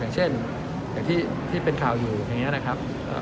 อย่างเช่นอย่างที่เป็นข่าวอยู่อย่างนี้นะครับ